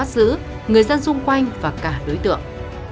giữ người dân xung quanh và cả đối tượng